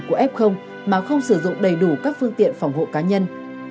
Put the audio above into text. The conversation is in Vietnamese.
của f mà không sử dụng đầy đủ các phương tiện phòng hộ cá nhân